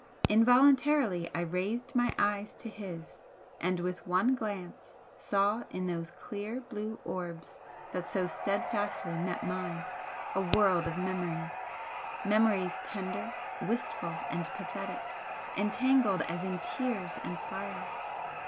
Involuntarily I raised my eyes to his, and with one glance saw in those clear blue orbs that so steadfastly met mine a world of memories memories tender, wistful and pathetic, entangled as in tears and fire.